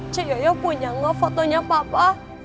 cik yoyo punya gak fotonya papa